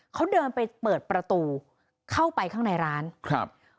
เขาเดินไปเปิดประตูเข้าไปข้างในร้านครับ